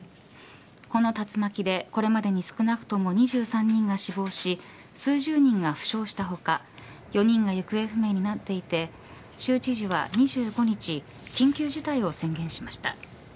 この竜巻でこれまでに少なくとも２３人が死亡し数十人が負傷した他４人が行方不明になっていて州知事は２５日緊急事態を宣言しました。